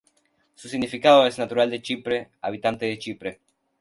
Su significado es "natural de Chipre, habitante de Chipre".